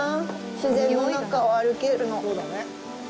自然の中を歩けるの。